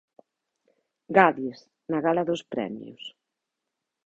Gadis, na gala dos premios.